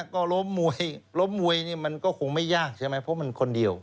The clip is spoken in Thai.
ก็ล้มมวยล้มมวยนี่มันก็คงไม่ยากใช่ไหมเพราะมันคนเดียว